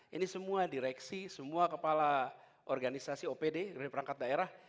ini semua direksi semua kepala organisasi opd dari perangkat daerah